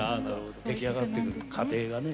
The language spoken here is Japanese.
出来上がっていく過程がね。